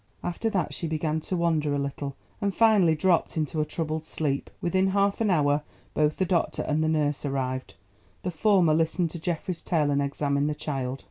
After that she began to wander a little, and finally dropped into a troubled sleep. Within half an hour both the doctor and the nurse arrived. The former listened to Geoffrey's tale and examined the child.